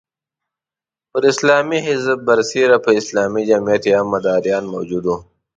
پر اسلامي حزب برسېره په اسلامي جمعیت کې هم مداریان موجود وو.